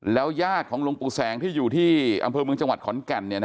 ญาติของหลวงปู่แสงที่อยู่ที่อำเภอเมืองจังหวัดขอนแก่น